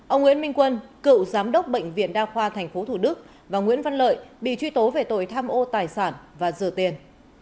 ông nguyễn minh quân cựu giám đốc bệnh viện đa khoa tp thủ đức và nguyễn văn lợi bị truy tố về tội tham ô tài sản và rửa tiền